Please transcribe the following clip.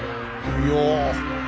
いや！